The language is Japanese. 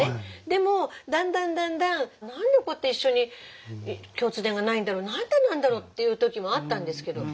でもだんだんだんだん何でこうやって一緒に共通点がないんだろう何でなんだろうっていう時もあったんですけど。